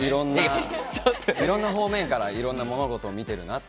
いろんな方面からいろんな物事を見ているなと。